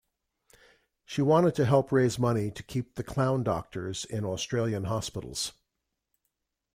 She wanted to help raise money to keep The Clown Doctors in Australian hospitals.